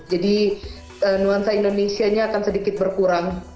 jadi nuansa indonesia akan sedikit berkurang